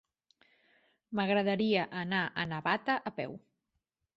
M'agradaria anar a Navata a peu.